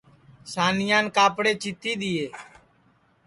سانیان کاپڑے چیتھی دؔیئے